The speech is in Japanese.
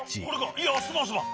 いやすまんすまん！